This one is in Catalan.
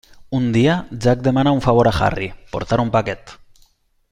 Un dia, Jack demana un favor a Harry: portar un paquet.